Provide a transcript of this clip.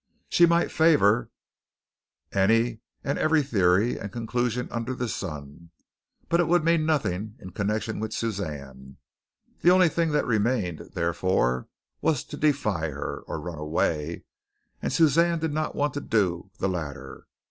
She might favor any and every theory and conclusion under the sun, but it would mean nothing in connection with Suzanne. The only thing that remained, therefore, was to defy her, or run away, and Suzanne did not want to do the latter.